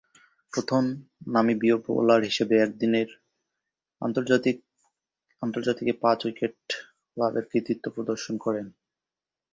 প্রথম নামিবীয় বোলার হিসেবে একদিনের আন্তর্জাতিকে পাঁচ-উইকেট লাভের কৃতিত্ব প্রদর্শন করেন।